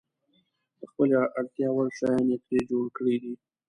د خپلې اړتیا وړ شیان یې ترې جوړ کړي دي.